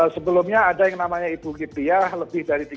sebelumnya ada yang namanya ibu kipiah lebih dari tiga puluh